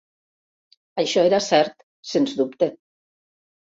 Això era cert, sens dubte.